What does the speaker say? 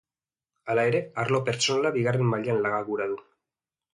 Hala ere, arlo pertsonala bigarren mailan laga gura du.